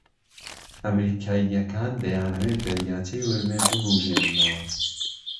ئەمریكاییەكان دەیانەوێ دەریاچەی ورمێ ببووژێننەوە